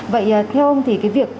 vậy theo ông thì cái việc